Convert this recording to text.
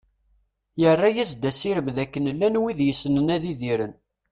Yerra-as-d asirem d akken llan wid yessnen ad idiren.